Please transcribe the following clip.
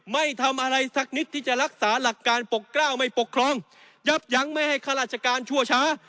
ไม่ทำอะไรสักนิดที่จะรักษาหลักการปกกล้าวไม่ปกครองยับยั้งไม่ให้ข้าราชการชั่วช้า